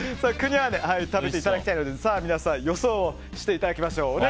クニャーネ食べていただきたいので皆さん予想していただきましょう。